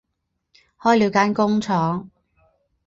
开了间工厂